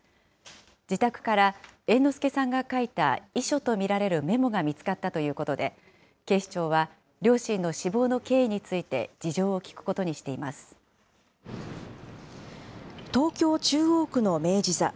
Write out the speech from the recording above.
自宅から猿之助さんが書いた遺書と見られるメモが見つかったということで、警視庁は両親の死亡の経緯について事情を聴くことにし東京・中央区の明治座。